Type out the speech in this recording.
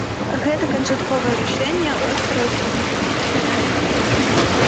Гэта канчатковае рашэнне оскараўскага камітэта нашай краіны.